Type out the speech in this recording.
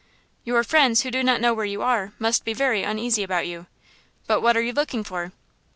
"Your friends, who do not know where you are, must be very uneasy about you. But what are you looking for?"